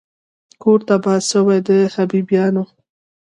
کور تباه سوی د حبیبیانو